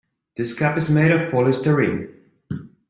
This cup is made of polystyrene.